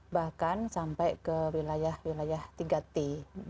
bahkan sampai ke wilayah wilayah tinggati